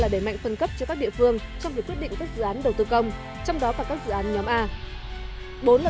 ba đẩy mạnh phân cấp cho các địa phương trong việc quyết định các dự án đầu tư công trong đó có các dự án nhóm a